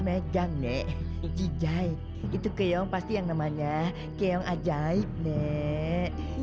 meja nek cijai itu keong pasti yang namanya keong ajaib nek